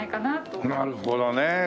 なるほどね。